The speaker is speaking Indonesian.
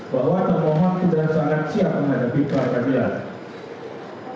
bahwa permohon sudah sangat siap menghadapi pra peradilan